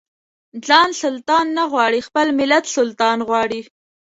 ځان سلطان نه غواړي خپل ملت سلطان غواړي.